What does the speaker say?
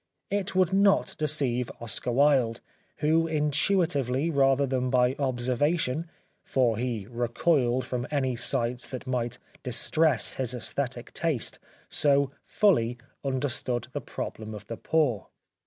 It would not deceive Oscar Wilde, who intuitively rather than by observation, for he recoiled from any sights that might distress his aesthetic 130 The Life of Oscar Wilde taste, so fully understood the problem of the poor.